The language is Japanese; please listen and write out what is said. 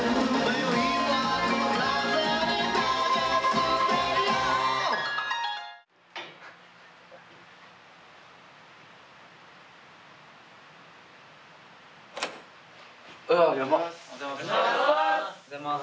おはようございます。